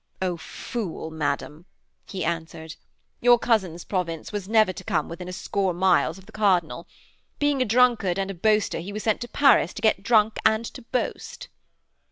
'Oh fool madam,' he answered. 'Your cousin's province was never to come within a score miles of the cardinal. Being a drunkard and a boaster he was sent to Paris to get drunk and to boast.'